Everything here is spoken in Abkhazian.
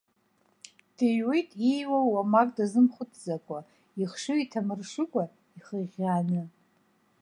Дыҩуеит ииҩуа уамак дазымхәыцӡакәа, ихшыҩ иҭамыршыкәа, ихыӷьӷьааны.